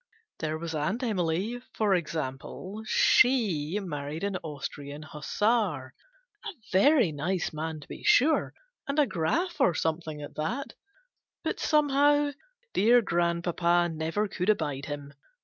There was Aunt Emily for example she married an Austrian hussar ; a very nice man to be sure, and a Graf or something, at that ; but, somehow, dear grandpapa never could abide him.